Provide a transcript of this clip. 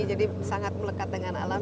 jadi sangat melekat dengan alam